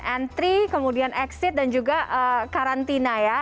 entry kemudian exit dan juga karantina ya